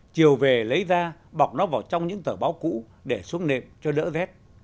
chiều về lấy ra bọc nó vào trong những tờ báo cũ để xuống nệm cho đỡ rét